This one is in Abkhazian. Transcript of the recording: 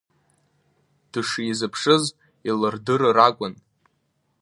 Дышизԥшыз илырдырыр акәын.